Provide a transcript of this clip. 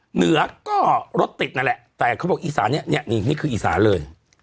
เหนือก็รถติดนั่นแหละแต่เขาบอกอีสานเนี่ยนี่คืออีสานเลย